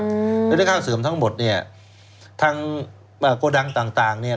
แล้วถ้าเกิดข้าวเสื่อมทั้งหมดเนี่ยทั้งกระดังต่างเนี่ย